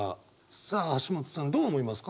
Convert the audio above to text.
さあ橋本さんどう思いますか？